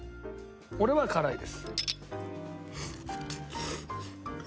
俺は辛いです。